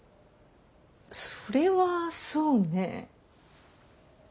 それはそうね。